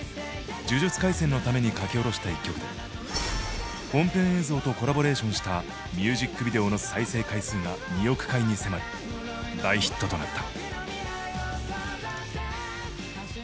「呪術廻戦」のために書き下ろした１曲で本編映像とコラボレーションしたミュージックビデオの再生回数が２億に迫る大ヒットとなった。